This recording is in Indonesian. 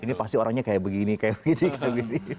ini pasti orangnya kayak begini kayak begini kayak begini